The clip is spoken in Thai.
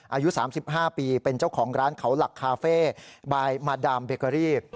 อายุ๓๕ปีเป็นเจ้าของร้านเขาหลักคาเฟ่บายมาดามเบเกอรี่